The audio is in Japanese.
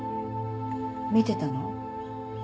見てたの？